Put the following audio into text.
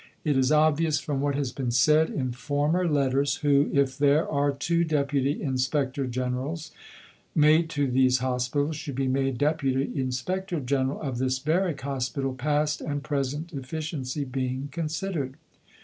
It is obvious from what has been said in former letters who, if there are two Deputy Inspector Generals made to these Hospitals, should be made Deputy Inspector General of this Barrack Hospital, past and present efficiency being considered.